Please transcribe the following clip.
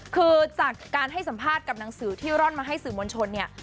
คือจากการให้สัมภาษณ์กับหนังสือที่ร่อนมาให้สื่อมวลชนเนี่ย